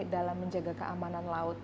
dalam menjaga keamanan laut